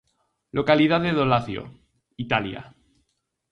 Localidade do Lacio, Italia.